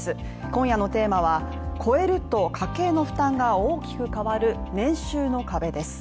今夜のテーマは超えると家計の負担が大きく変わる年収の壁です。